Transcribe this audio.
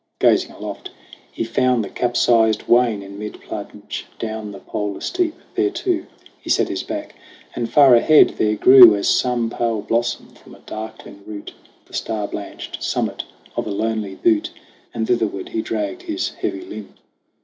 Gazing aloft, he found the capsized Wain In mid plunge down the polar steep. Thereto He set his back ; and far ahead there grew, As some pale blossom from a darkling root, The star blanched summit of a lonely butte, And thitherward he dragged his heavy limb.